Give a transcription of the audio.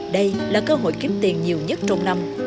đây là cơ hội kiếm tiền nhiều nhất trong năm